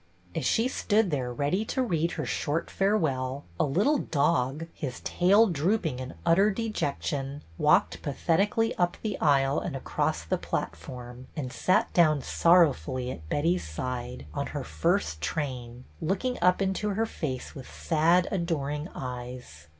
As she stood there ready to read her short farewell, a little dog, his tail drooping in utter dejection, walked pathetically up the aisle and across the platform, and sat down sorrowfully at Betty's side, on her first train, looking up into her face with sad, adoring eyes.